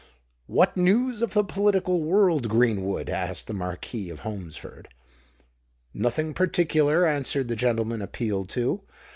"What news in the political world, Greenwood?" asked the Marquis of Holmesford. "Nothing particular," answered the gentleman appealed to.